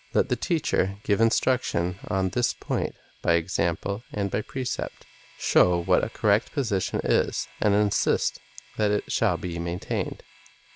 Let the teacher give instruction on this point by example and by precept. Show what a correct position is, and insist that it shall be maintained.